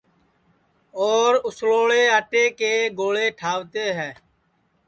اور اُسݪوݪے آٹے کے گوݪے ٹھاوتے ہے